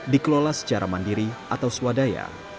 dikelola secara mandiri atau swadaya